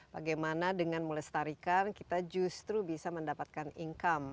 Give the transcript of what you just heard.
bagaimana dengan melestarikan kita justru bisa mendapatkan income